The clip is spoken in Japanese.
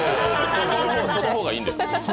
その方がいいんです。